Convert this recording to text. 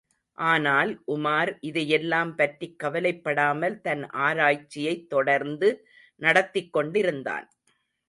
ஆனால், உமார் இதையெல்லாம் பற்றிக் கவலைப்படாமல் தன் ஆராய்ச்சியைத் தொடர்ந்து நடத்திக் கொண்டிருந்தான்.